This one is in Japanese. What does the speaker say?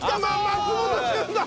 松本潤だ！